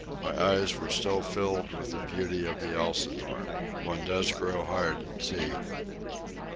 My eyes were still filled with the beauty of the Elsinore. One does grow hard at sea.